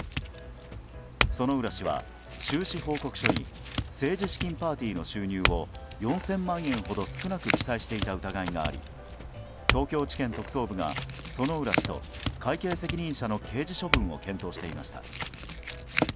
薗浦氏は収支報告書に政治資金パーティーの収入を４０００万円ほど少なく記載していた疑いがあり東京地検特捜部が薗浦氏と会計責任者の刑事処分を検討していました。